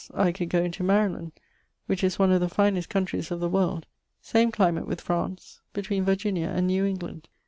I could goe into Maryland, which is one of the finest countrys of the world; same climate with France; between Virginia and New England.